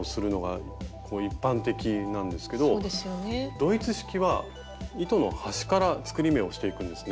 ドイツ式は糸の端から作り目をしていくんですね。